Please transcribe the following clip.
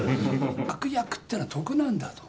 悪役というのは得なんだと。